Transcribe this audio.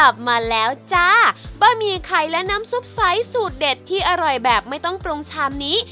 บะหมี่ไข่และน้ำซุปไซส์สูตรเด็ดที่อร่อยแบบไม่ต้องปรุงชามนี้